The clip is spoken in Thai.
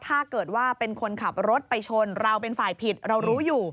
ถ้าเกิดว่าเป็นคนขับรถไปชนเราเป็นฝ่ายผิดเรารู้อยู่